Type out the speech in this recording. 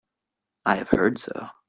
I have heard so.